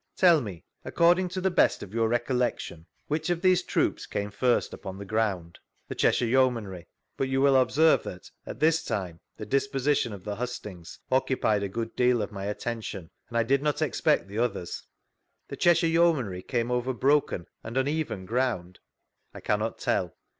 Tell me, according to the best of your recollec tion, which of these troops came first upon the ground?— The Cheshire Yeomanry; but you will vGoogIc 38 THREE ACCOUNTS OF PETERLOO observe that, at this time, the dispceitign o£ the hustings occupied a good deal of my attention, and I did not expect the others. The Cheshite Yeomanry came over broken and uneven ground? — I cannot tell.